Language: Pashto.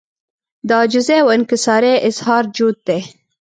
د عاجزۍاو انکسارۍ اظهار جوت دی